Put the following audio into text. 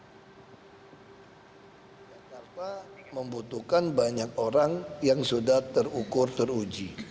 jakarta membutuhkan banyak orang yang sudah terukur teruji